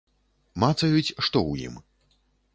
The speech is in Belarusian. Мацаюць, што ў ім.